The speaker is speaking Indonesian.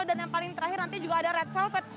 dan yang paling terakhir nanti juga ada red velvet